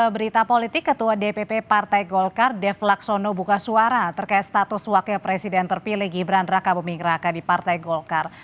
berita politik ketua dpp partai golkar dev laksono buka suara terkait status wakil presiden terpilih gibran raka buming raka di partai golkar